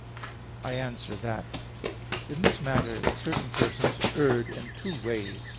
I answer that, In this matter certain persons erred in two ways.